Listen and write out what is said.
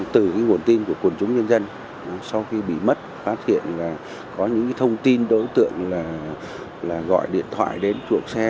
từ nguồn tin của quần chúng nhân dân sau khi bị mất phát hiện và có những thông tin đối tượng gọi điện thoại đến chuộng xe